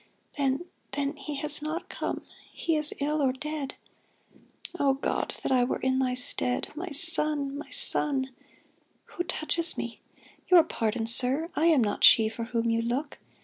Then — then He has not come — he is ill, or dead I O God, that I were in thy stead. My son ! my son ! Who touches me_? Your pardon, sir. I am not she For whom you look.